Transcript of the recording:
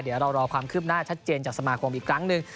เดี๋ยวเรารอความคืบหน้าชัดเจนจากสมาคมอีกครั้งหนึ่ง